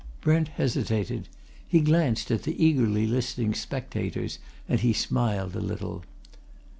Brent hesitated. He glanced at the eagerly listening spectators, and he smiled a little.